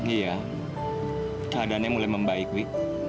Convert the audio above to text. iya keadaannya mulai membaik wi